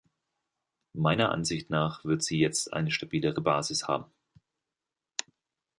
Meiner Ansicht nach wird sie jetzt eine stabilere Basis haben.